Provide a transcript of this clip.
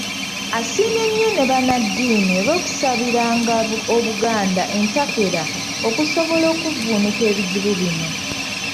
Asiimye nnyo ne Bannaddiini olw'okusabiranga Obuganda entakera okusobola okuvvuunuka ebizibu bino.